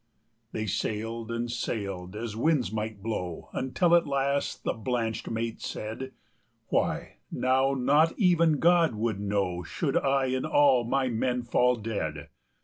'" They sailed and sailed, as winds might blow, Until at last the blanched mate said: "Why, now not even God would know Should I and all my men fall dead.